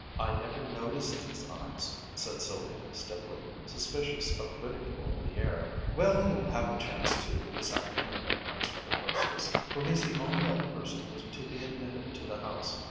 "I never noticed his eyes," said Sylvia stiffly, suspicious of ridicule in the air. "Well, you'll have a chance to this afternoon," answered her hostess, "for he's the only other person who's to be admitted to the house.